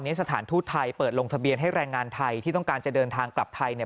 สถานทูตไทยเปิดลงทะเบียนให้แรงงานไทยที่ต้องการจะเดินทางกลับไทยเนี่ย